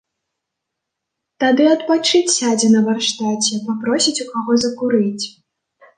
Тады адпачыць сядзе на варштаце, папросіць у каго закурыць.